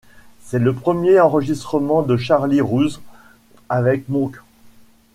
C'est le premier enregistrement de Charlie Rouse avec Monk.